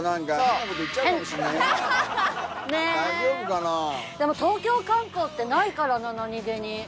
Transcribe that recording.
でも東京観光ってないからな何げに。